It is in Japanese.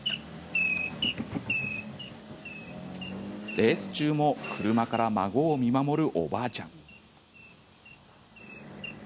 レース中も車から孫を見守るおばあちゃん。